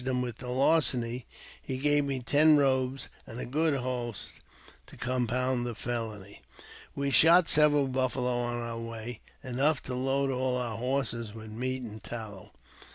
383 liim with the larceny, he gave me ten robes and a good horse to compound the felony. We shot several buffalo on our way, enough to load all our iorses with meat and tallow.